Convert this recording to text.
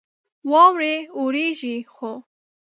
واورې اوريږي ،خو